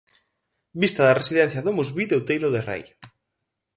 Vista da residencia DomusVi de Outeiro de Rei.